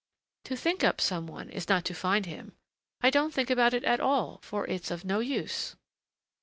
"To think up some one is not to find him. I don't think about it at all, for it's of no use."